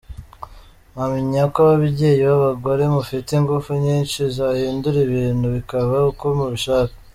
Mpamya ko ababyeyi b’abagore mufite ingufu nyinshi zahindura ibintu bikaba uko mubishaka.